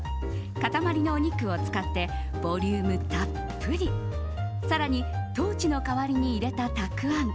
塊のお肉を使ってボリュームたっぷり更に、豆鼓の代わりに入れたたくあん